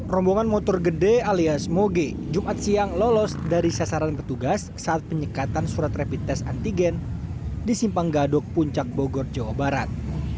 rombongan motor gede alias moge jumat siang lolos dari sasaran petugas saat penyekatan surat rapid test antigen di simpang gadok puncak bogor jawa barat